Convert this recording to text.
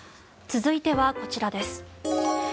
続いてはこちらです。